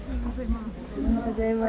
おはようございます。